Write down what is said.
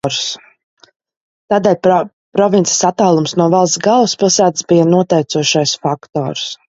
Tādēļ provinces attālums no valsts galvaspilsētas bija noteicošais faktors.